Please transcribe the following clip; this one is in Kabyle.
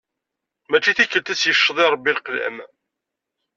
Mačči tikelt i s-yecceḍ i Rebbi leqlam.